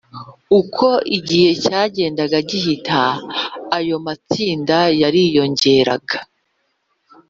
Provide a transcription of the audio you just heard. uko igihe cyagendaga gihita ayo matsinda yariyongereye